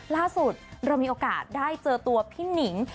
ล่าสุดเรามีโอกาสได้เจอตัวพี่หนิง